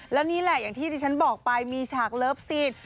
แล้วนี่แหละอย่างที่ที่ฉันบอกไปมีฉากเลิฟซีน